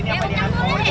apa favoritnya bu